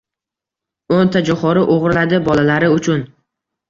O‘n ta joʻxori oʻgʻirladi bolalari uchun...